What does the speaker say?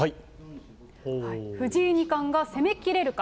藤井二冠が攻め切れるか。